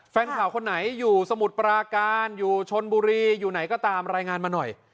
แฟนข่าวคนไหนอยู่สมุทรปราการอยู่ชนบุรีอยู่ไหนก็ตามรายงานมาหน่อย